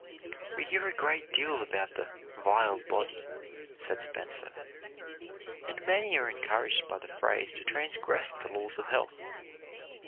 "We hear a great deal about the 'vile body,'" said Spencer, "and many are encouraged by the phrase to transgress the laws of health.